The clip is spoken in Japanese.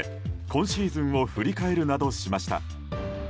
今シーズンを振り返るなどしました。